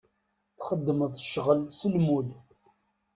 Txeddem ccɣel s lmul.